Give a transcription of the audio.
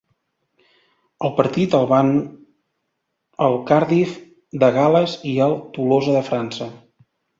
El partit el van el Cardiff de Gales i el Tolosa de França.